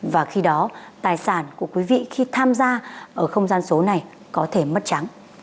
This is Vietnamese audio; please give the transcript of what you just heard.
và khi đó tài sản của quý vị khi tham gia ở không gian số này có thể mất trắng